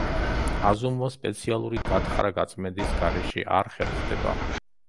აზომვა სპეციალური გათხრა-გაწმენდის გარეშე არ ხერხდება.